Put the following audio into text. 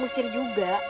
abang usir juga